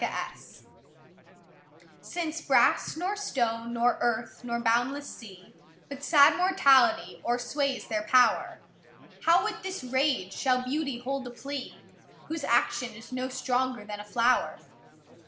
LXV Since brass, nor stone, nor earth, nor boundless sea, But sad mortality oâersways their power, How with this rage shall beauty hold a plea, Whose action is no stronger than a flower?